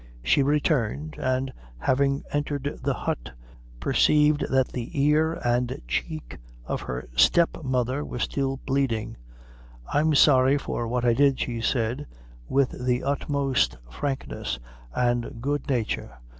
She returned; and, having entered the hut, perceived that the ear and cheek of her step mother were still bleeding. "I'm sorry for what I did," she said, with the utmost frankness and good nature.